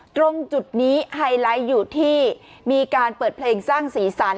ตรงจุดนี้ไฮไลท์อยู่ที่มีการเปิดเพลงสร้างสีสัน